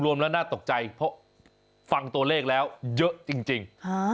รวมแล้วน่าตกใจเพราะฟังตัวเลขแล้วเยอะจริง